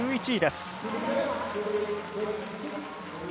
１１位です。